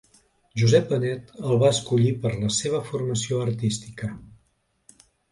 Josep Benet el va escollir per la seva formació artística.